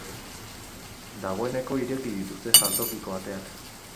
Dagoeneko ireki dituzte saltokiko ateak.